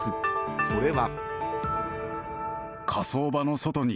それは。